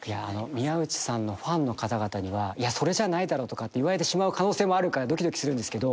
宮内さんのファンの方々には「いやそれじゃないだろ」とかって言われてしまう可能性あるからドキドキするんですけど。